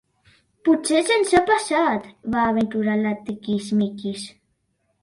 Potser se'ns ha passat! —va aventurar la Tiquismiquis.